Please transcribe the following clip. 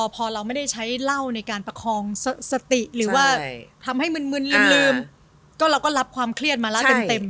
พอเราไม่ได้ใช้เหล้าในการประคองสติหรือว่าทำให้มึนลืมก็เราก็รับความเครียดมาแล้วเต็ม